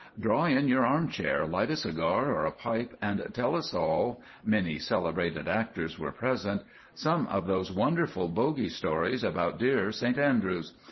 "Draw in your armchair, light a cigar or a pipe, and tell us all [many celebrated actors were present] some of those wonderful bogie stories about dear St Andrews.